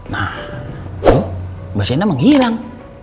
nah tuh mba sena menghilang